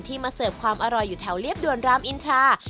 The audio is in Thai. มาเสิร์ฟความอร่อยอยู่แถวเรียบด่วนรามอินทรา